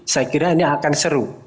saya kira ini akan seru